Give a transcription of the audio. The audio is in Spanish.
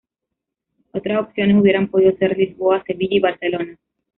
Otras opciones hubieran podido ser Lisboa, Sevilla y Barcelona.